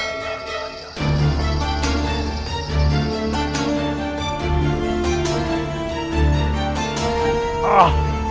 dan saya harus menemui rangkana